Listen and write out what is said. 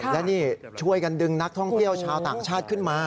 และนี่ช่วยกันดึงนักท่องเที่ยวชาวต่างชาติขึ้นมา